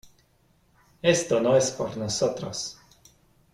esto no es por nosotros ,